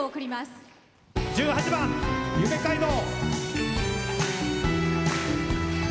１８番「夢街道」。